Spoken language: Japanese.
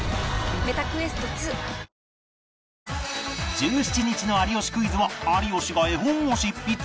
１７日の『有吉クイズ』は有吉が絵本を執筆